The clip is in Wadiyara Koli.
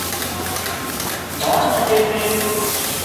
ڀاڻ ڇٽي سي